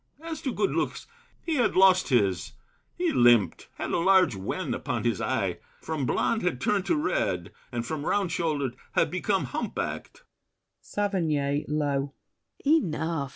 As to good looks, He had lost his; he limped, had a large wen Upon his eye; from blonde had turned to red, And from round shouldered had become hump backed.